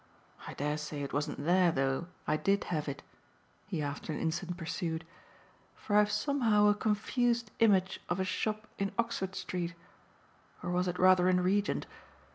I dare say it wasn't there, though, I did have it," he after an instant pursued, "for I've somehow a confused image of a shop in Oxford Street or was it rather in Regent?